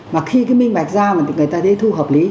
mà khi cái minh bạch ra mà người ta thấy thu hợp lý